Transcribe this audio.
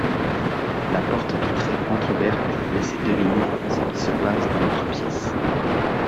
La porte vitrée entrouverte laisse deviner ce qui se passe dans l’autre pièce.